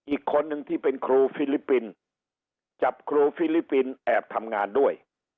อีกคนนึงที่เป็นครูฟิลิปปินส์จับครูฟิลิปปินส์แอบทำงานด้วย